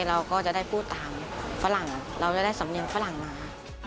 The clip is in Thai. เราก็จะได้พูดตามฝรั่งเราจะได้สำเนียงฝรั่งมา